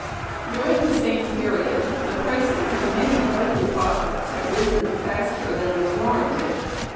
"During the same period. .. the prices of many vital products had risen faster than was warranted.